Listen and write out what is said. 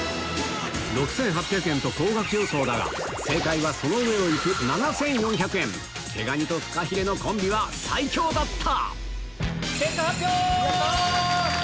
６８００円と高額予想だが正解はその上を行く毛蟹とフカヒレのコンビは最強だった！